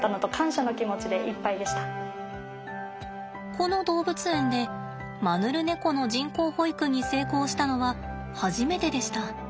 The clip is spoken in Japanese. この動物園でマヌルネコの人工哺育に成功したのは初めてでした。